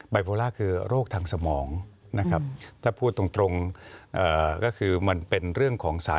โพล่าคือโรคทางสมองนะครับถ้าพูดตรงก็คือมันเป็นเรื่องของสาร